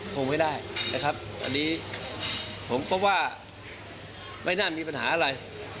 คงไม่ได้นะครับอันนี้ผมก็ว่าไม่น่ามีปัญหาอะไร